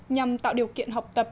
nhằm tạo điều kiện học tập